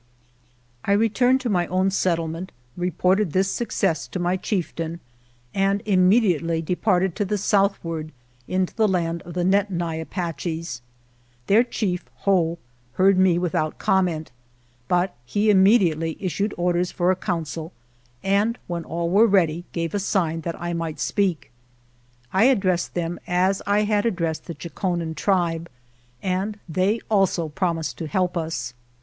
I returned to my own settlement, reported this success to my chieftain, and immediately departed to the southward into the land of the Nedni Apaches. Their chief, Whoa, heard me without comment, but he im mediately issued orders for a council, and when all were ready gave a sign that I 48 ■." KAS KI YEH might speak. I addressed them as I had addressed the Chokonen tribe, and they also promised to help us.